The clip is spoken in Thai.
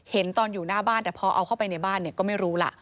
เห็นตอนอยู่หน้าบ้านแต่พอเอาเข้าไปในบ้านเนี่ยก็ไม่รู้ล่ะ